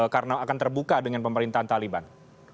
karena akan terbuka dengan pemerintahan taliban